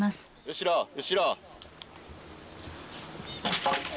後ろ後ろ。